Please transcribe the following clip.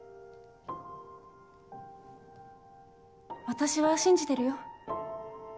私は信じてるよ